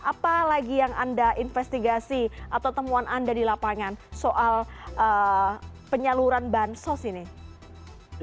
apalagi yang anda investigasi atau temuan anda di lapangan soal penyaluran bansos ini